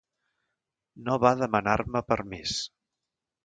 No va demanar-me permís.